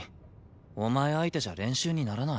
お前相手じゃ練習にならない。